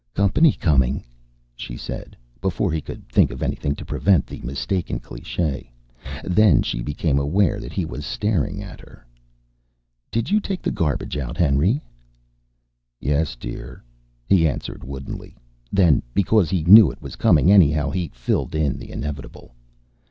"Company coming," she said, before he could think of anything to prevent the mistaken cliché. Then she became aware that he was staring at her. "Did you take the garbage out, Henry?" "Yes, dear," he answered woodenly. Then, because he knew it was coming anyhow, he filled in the inevitable.